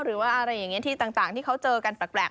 หรือว่าอะไรอย่างนี้ที่ต่างที่เขาเจอกันแปลก